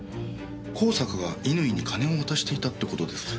香坂が乾に金を渡していたって事ですか？